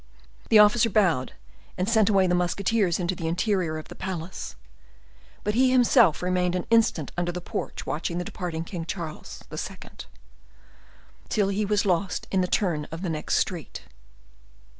The officer bowed and sent away the musketeers into the interior of the palace. But he himself remained an instant under the porch watching the departing Charles II., till he was lost in the turn of the next street.